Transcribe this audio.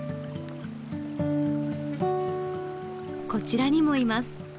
こちらにもいます。